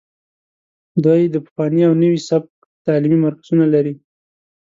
دوی د پخواني او نوي سبک تعلیمي مرکزونه لري